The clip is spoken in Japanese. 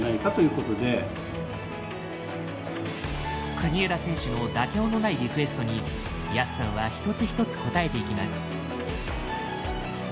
国枝選手の妥協のないリクエストに安さんは一つ一つ応えていきます。